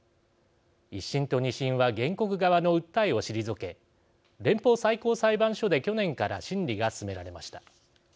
１審と２審は原告側の訴えを退け連邦最高裁判所で去年から審理が進められました。